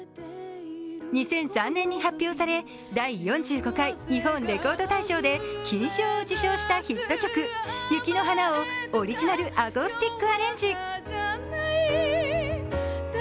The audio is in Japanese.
２００３年に発表され、「第４５回日本レコード大賞」で金賞を受賞したヒット曲「雪の華」をオリジナルアコースティック。